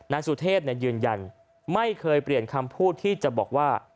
นายสุเทพยืนยันไม่เคยเปลี่ยนคำพูดที่จะบอกว่า